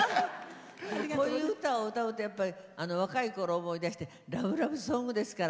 こういう歌を歌うと若いころを思い出してラブラブソングですから。